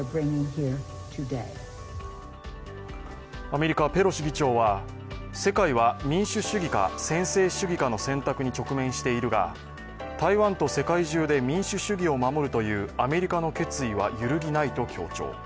アメリカ、ペロシ議長は世界は民主主義か専制主義かの選択に直面しているが台湾と世界中で民主主義を守るというアメリカの決意は揺るぎないと強調。